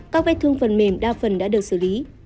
các vết thương phần mềm đa phần đã được xử lý